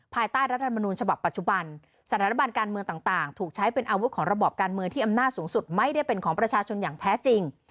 ภายใต้รัฐธรรมนูญฉบับปัจจุบันสถาบันการเมืองต่างถูกใช้เป็นอาวุธของระบอบการเมืองที่อำนาจสูงสุดไม่ได้เป็นของประชาชนอย่างแท้จริง